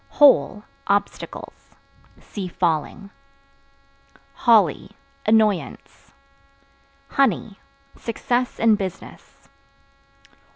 Hole Obstacles. See Falling. Holly Annoyance. Honey Success in business.